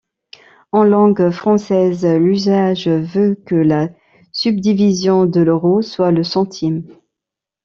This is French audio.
En langue française, l'usage veut que la subdivision de l'euro soit le centime.